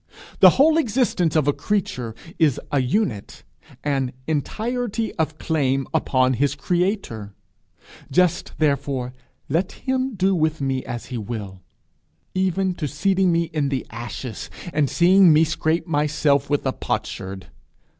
The whole existence of a creature is a unit, an entirety of claim upon his creator: just therefore, let him do with me as he will even to seating me in the ashes, and seeing me scrape myself with a potsherd!